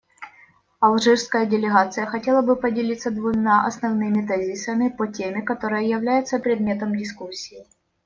Алжирская делегация хотела бы поделиться двумя основными тезисами по теме, которая является предметом дискуссии.